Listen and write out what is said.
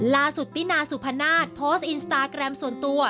ตินาสุพนาศโพสต์อินสตาแกรมส่วนตัว